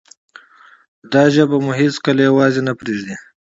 دا ژبه به مو هیڅکله یوازې نه پریږدي.